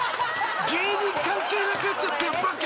芸人関係なくなっちゃったよバカ！